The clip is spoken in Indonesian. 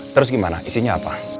terus gimana isinya apa